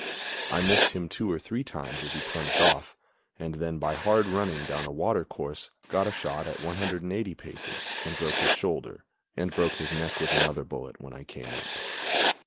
I missed him two or three times as he plunged off, and then by hard running down a water course got a shot at 180 paces and broke his shoulder, and broke his neck with another bullet when I came up.